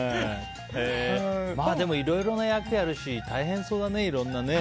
でもいろいろな役やるし大変そうだね。